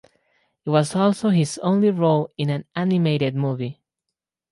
It was also his only role in an animated movie.